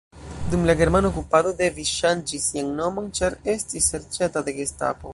Dum la germana okupado devis ŝanĝi sian nomon ĉar estis serĉata de gestapo.